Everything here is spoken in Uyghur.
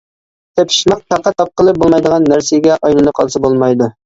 تېپىشماق پەقەت تاپقىلى بولمايدىغان نەرسىگە ئايلىنىپ قالسا بولمايدۇ.